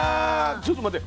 ちょっと待って。